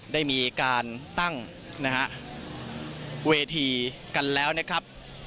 ได้มีการตั้งนะฮะเวทีกันแล้วนะครับ